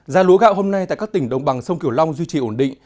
giá lúa gạo hôm nay tại các tỉnh đồng bằng sông kiểu long duy trì ổn định